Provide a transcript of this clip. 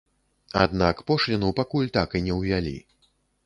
Аднак пошліну пакуль так і не ўвялі.